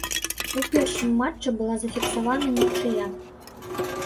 У першым матчы была зафіксавана нічыя.